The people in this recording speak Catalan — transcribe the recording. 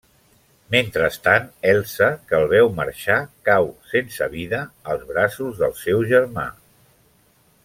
Mentrestant Elsa, que el veu marxar, cau sense vida als braços del seu germà.